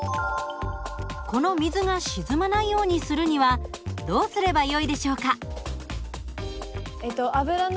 この水が沈まないようにするにはどうすればよいでしょうか？